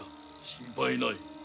心配ない。